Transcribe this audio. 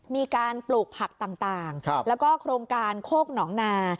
มีการปลูกผักต่างแล้วก็โครงการโคกหนองนา